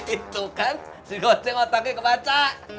itu kan si otak otaknya kebaca